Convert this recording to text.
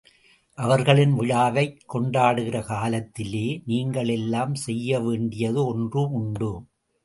அவர்களின் விழாவைக் கொண்டாடுகிற காலத்திலே நீங்கள் எல்லாம் செய்யவேண்டியது ஒன்று உண்டு.